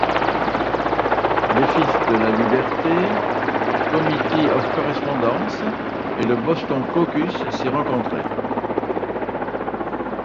Les Fils de la Liberté, Committee of correspondence et le Boston Caucus s'y rencontraient.